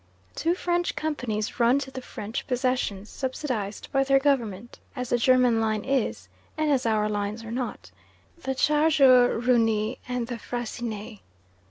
Two French companies run to the French possessions, subsidised by their Government (as the German line is, and as our lines are not) the Chargeurs Reunis and the Fraissinet.